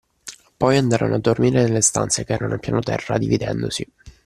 Poi andarono a dormire nelle stanze, che erano al piano terra, dividendosi